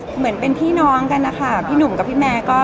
เหมือนเป็นพี่น้องกันนะคะพี่หนุ่มกับพี่แมร์ก็